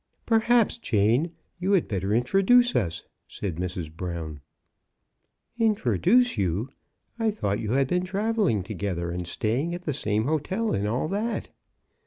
" Perhaps, Jane, you had better introduce us," said Mrs. Brown. *' Introduce you ! I thought you had been travelling together, and staying at the same hotel, and all that."